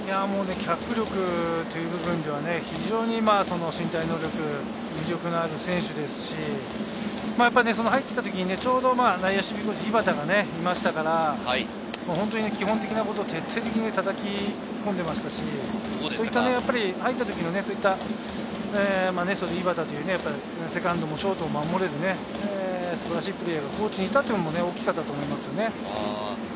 脚力という部分では非常に身体能力、魅力のある選手ですし、入って来た時にちょうど内野守備コーチの井端がいましたから、本当に基本的なことを徹底的にたたき込んでましたし、入った時の井端というセカンドもショートも守れる素晴らしいプレーヤーがコーチにいたっていうのも大きかったと思いますね。